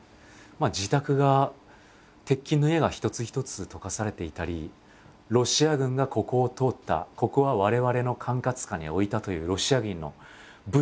自宅が鉄筋の家が一つ一つ溶かされていたりロシア軍がここを通ったここは我々の管轄下に置いたというロシア軍の「Ｖ」「Ｚ」「Ｏ」